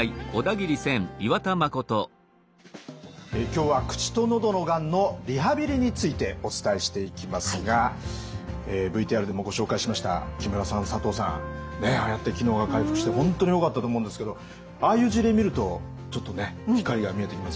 今日は口と喉のがんのリハビリについてお伝えしていきますがＶＴＲでもご紹介しました木村さん佐藤さんああやって機能が回復して本当によかったと思うんですけどああいう事例見るとちょっとね光が見えてきますよね。